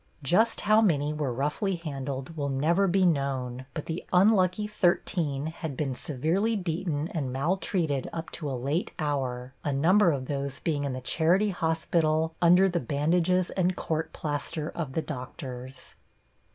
Just how many were roughly handled will never be known, but the unlucky thirteen had been severely beaten and maltreated up to a late hour, a number of those being in the Charity Hospital under the bandages and courtplaster of the doctors.